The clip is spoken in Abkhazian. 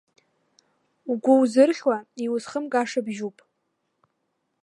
Угәы узырхьуа иузхымгаша бжьуп.